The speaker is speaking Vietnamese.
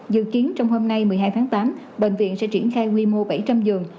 dự kiến trong hôm nay một mươi hai tháng tám bệnh viện sẽ triển khai quy mô bảy trăm linh giường